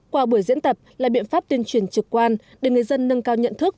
qua buổi diễn tập là biện pháp tuyên truyền trực quan để người dân nâng cao nhận thức